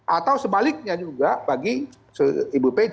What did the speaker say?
atau sebaliknya juga bagi ibu pece